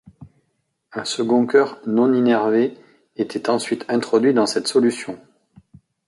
Un second cœur non innervé était ensuite introduit dans cette solution.